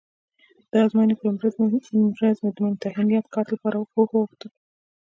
د ازموینې په لومړۍ ورځ مې د ممتحنیت کارت لپاره پوښ غوښته.